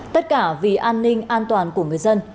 tất cả vì an ninh an toàn của người dân